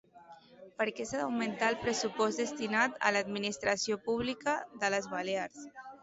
Per què s'ha d'augmentar el pressupost destinat a l'administració pública de les Balears?